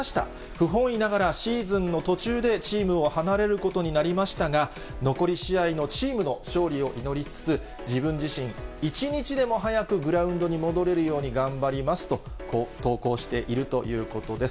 不本意ながら、シーズンの途中でチームを離れることになりましたが、残り試合のチームの勝利を祈りつつ、自分自身、一日でも早くグラウンドに戻れるように頑張りますと、投稿しているということです。